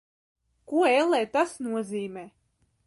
Ko, ellē, tas nozīmē?